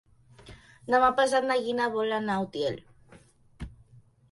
Demà passat na Gina vol anar a Utiel.